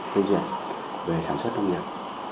thế giới hành về sản xuất nông nghiệp